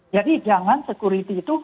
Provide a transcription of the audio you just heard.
jadi jangan sekuritas itu